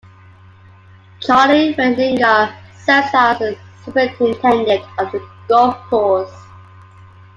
Charlie Reidlinger serves as the Superintendent of the golf course.